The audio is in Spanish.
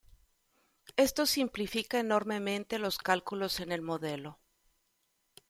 Esto simplifica enormemente los cálculos en el modelo.